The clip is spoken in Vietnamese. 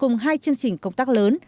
cùng hai chương trình công tác lớn